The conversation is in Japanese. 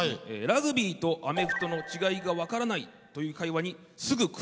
「ラグビーとアメフトの違いがわからない」という会話にすぐ食いつく。